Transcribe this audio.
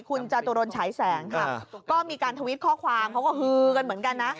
คุณจตุรนฉายแสงค่ะก็มีการทวิตข้อความเขาก็ฮือกันเหมือนกันนะ